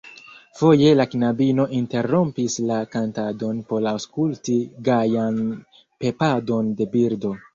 Foje la knabino interrompis la kantadon por aŭskulti gajan pepadon de birdo.